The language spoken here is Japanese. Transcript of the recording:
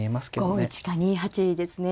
５一か２八ですね。